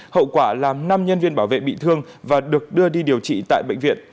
hậu quả làm năm nhân viên bảo vệ bị thương và được đưa đi điều trị tại bệnh viện